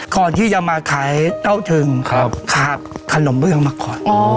ก่อนที่จะมาขายเต้าถึงขาดขนมเบื้องมาก่อน